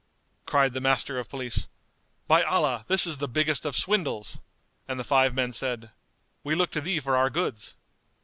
Cried the Master of Police, "By Allah, this is the biggest of swindles!"; and the five men said, "We look to thee for our goods."